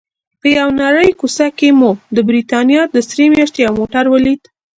په یوې نرۍ کوڅه کې مو د بریتانیا د سرې میاشتې یو موټر ولید.